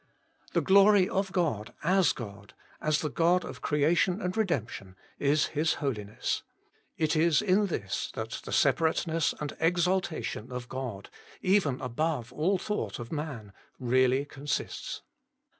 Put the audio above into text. The glory of God as God, as the God of Creation and Redemption, is His Holiness. It is in this that the Separateness and Exaltation of God, even above all thought of man, really consists.